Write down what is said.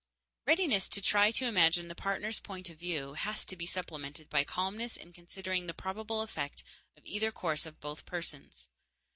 Readiness to try to imagine the partner's point of view has to be supplemented by calmness in considering the probable effect of either course on both persons.